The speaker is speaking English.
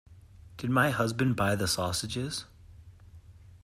Did my husband buy the sausages?